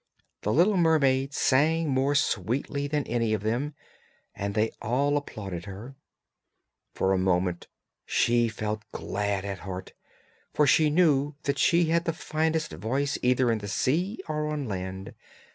The little mermaid sang more sweetly than any of them, and they all applauded her. For a moment she felt glad at heart, for she knew that she had the finest voice either in the sea or on land.